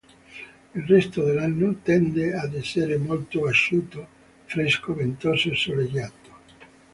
Il resto dell'anno tende ad essere molto asciutto, fresco, ventoso e soleggiato.